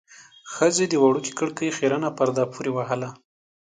ښځې د وړې کړکۍ خيرنه پرده پورې وهله.